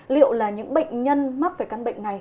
liệu là những bệnh nhân mắc về căn bệnh này